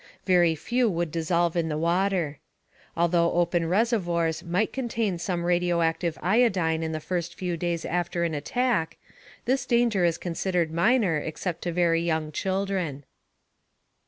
Very few would dissolve in the water. Although open reservoirs might contain some radioactive iodine in the first few days after an attack, this danger is considered minor except to very young children.